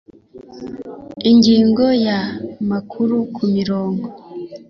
Ingingo ya amakuru ku mirongo